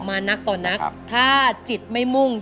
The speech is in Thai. มานักต่อนักถ้าจิตไม่มุ่ง